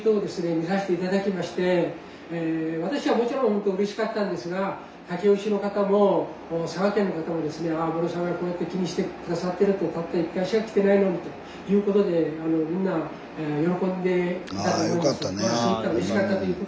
見させて頂きまして私はもちろんほんとうれしかったんですが武雄市の方も佐賀県の人もですねムロさんがこうやって気にして下さってるとたった１回しか来てないのにということでみんな喜んでいたと思います。